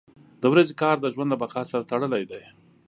• د ورځې کار د ژوند له بقا سره تړلی دی.